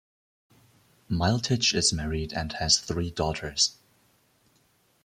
Miletich is married and has three daughters.